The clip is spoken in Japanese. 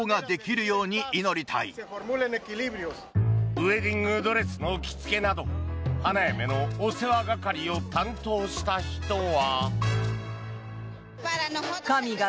ウェディングドレスの着付けなど花嫁のお世話係を担当した人は。